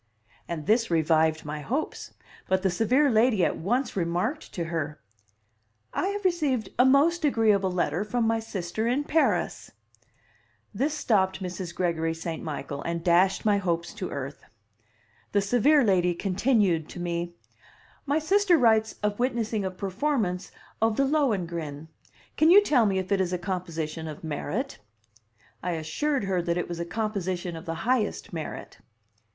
And this revived my hopes. But the severe lady at once remarked to her: "I have received a most agreeable letter from my sister in Paris." This stopped Mrs. Gregory St. Michael, and dashed my hopes to earth. The severe lady continued to me: "My sister writes of witnessing a performance of the Lohengrin. Can you tell me if it is a composition of merit?" I assured her that it was a composition of the highest merit.